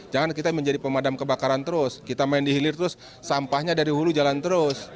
jangan kita menjadi pemadam kebakaran terus kita main di hilir terus sampahnya dari hulu jalan terus